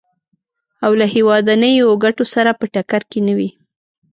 او له هېوادنیو ګټو سره په ټکر کې نه وي.